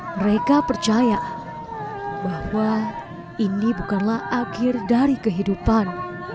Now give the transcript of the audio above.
mereka percaya bahwa ini bukanlah akhir dari kehidupan